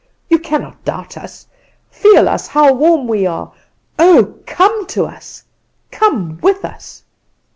You cannot doubt us. Feel us how warm we are! Oh, come to us! Come with us!